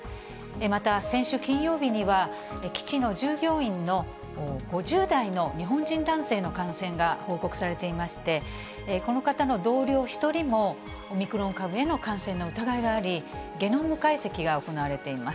また先週金曜日には、基地の従業員の５０代の日本人男性の感染が報告されていまして、この方の同僚１人も、オミクロン株への感染の疑いがあり、ゲノム解析が行われています。